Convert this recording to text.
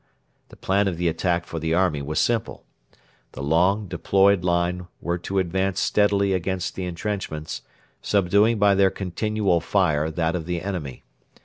The plan of the attack for the army was simple. The long, deployed line were to advance steadily against the entrenchments, subduing by their continual fire that of the enemy.